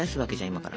今から。